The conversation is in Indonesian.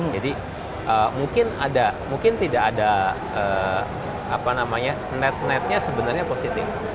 jadi mungkin tidak ada net netnya sebenarnya positif